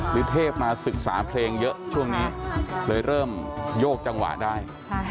เทพมาศึกษาเพลงเยอะช่วงนี้เลยเริ่มโยกจังหวะได้